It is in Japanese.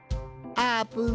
あーぷん！